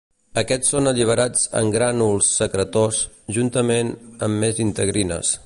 Aquests són alliberats en grànuls secretors, juntament amb més integrines.